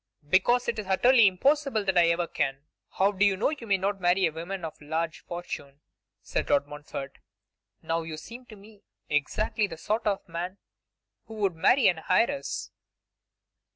'Because it is utterly impossible that I ever can.' 'How do you know you may not marry a woman of large fortune?' said Lord Montfort. 'Now you seem to me exactly the sort of man who would marry an heiress.